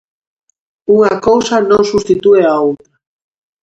Unha cousa non substitúe a outra.